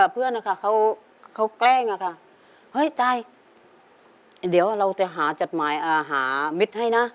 เพื่อนนะคะเขาแกล้งอะค่ะเฮ้ยตายเดี๋ยวเราจะหาจดหมายหามิตรให้นะ